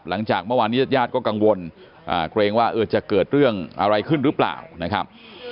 หลังจากเมื่อวานนี้ญาติญาติก็กังวลเกรงว่าจะเกิดเรื่องอะไรขึ้นหรือเปล่านะครับ